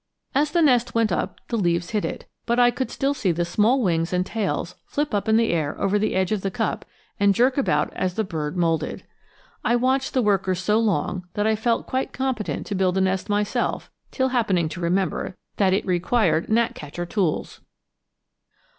As the nest went up, the leaves hid it; but I could still see the small wings and tails flip up in the air over the edge of the cup and jerk about as the bird moulded. I watched the workers so long that I felt quite competent to build a nest myself, till happening to remember that it required gnatcatcher tools.